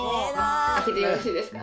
開けてよろしいですか？